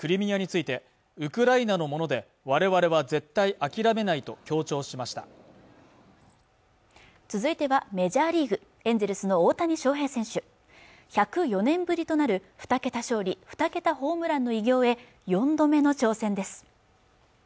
続いてはメジャーリーグエンゼルスの大谷翔平選手１０４年ぶりとなる２桁勝利２桁ホームランの偉業へ４度目の挑戦です